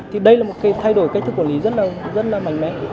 thì đây là một cái thay đổi cách thức quản lý rất là mạnh mẽ